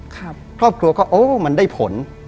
ครอบครัวก็โอ้มันได้ผล